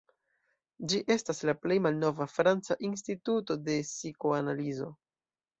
Ĝi estas la plej malnova franca instituto de psikoanalizo.